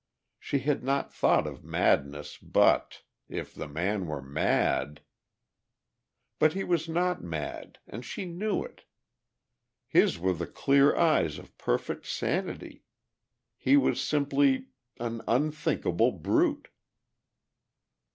She had not thought of madness but ... if the man were mad.... But he was not mad and she knew it. His were the clear eyes of perfect sanity. He was simply ... an unthinkable brute.